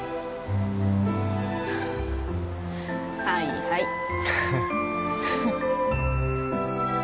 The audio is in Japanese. はいはい